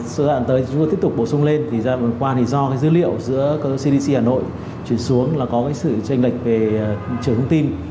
sau đó chúng tôi đã bổ sung lên và do dữ liệu của cdc hà nội chuyển xuống là có sự tranh lệch về trường thông tin